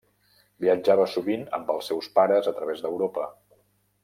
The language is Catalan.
Viatjava sovint amb els seus pares a través d'Europa.